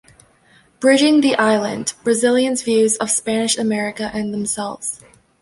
Bridging the Island: Brazilians' Views of Spanish America and Themselves.